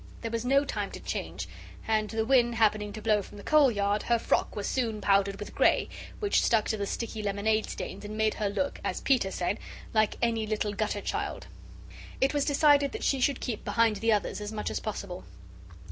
There was no time to change and the wind happening to blow from the coal yard, her frock was soon powdered with grey, which stuck to the sticky lemonade stains and made her look, as Peter said, "like any little gutter child." It was decided that she should keep behind the others as much as possible.